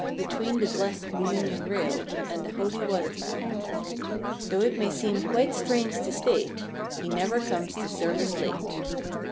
Between the blest communion rail And the holy water fount. Though it may seem quite strange to state. He never comes to service late.